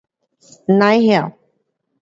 甭晓